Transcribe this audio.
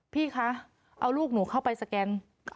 พี่คะเอาลูกหนูเข้าไปสแกน